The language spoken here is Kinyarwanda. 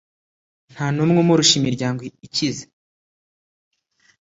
ntanumwe umurusha imiryango ikize